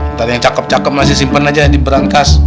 ntar yang cakep cakep masih simpen aja diberangkas